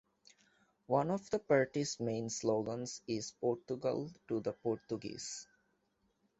One of the party's main slogans is Portugal to the Portuguese!